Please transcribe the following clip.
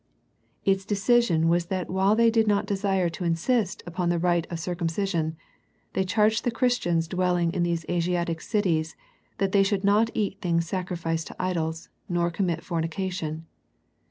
Its de cision was that while they did not desire to in sist upon the rite of circumcision, they charged the Christians dwelling in these Asiatic cities that they should not eat things sacrificed to idols, nor commit fornication.